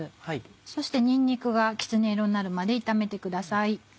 そしてにんにくがきつね色になるまで炒めてください。